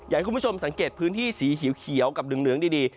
อยากให้คุณผู้ชมสังเกตพื้นที่สีเขียวกับเหลืองดี